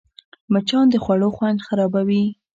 مچان د خوړو خوند خرابوي